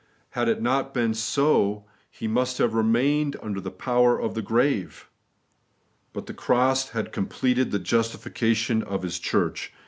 Had it not been so, He must have remained under the power of the grave. But the cross had completed the justifi cation of His church.